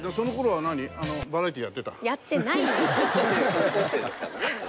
高校生ですから。